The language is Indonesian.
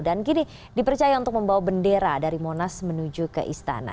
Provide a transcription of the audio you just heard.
dan gini dipercaya untuk membawa bendera dari monas menuju ke istana